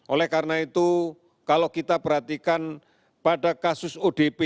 oleh karena itu kalau kita perhatikan pada kasus odp